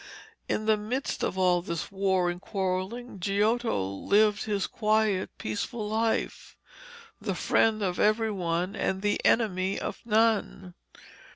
In the midst of all this war and quarrelling Giotto lived his quiet, peaceful life, the friend of every one and the enemy of none.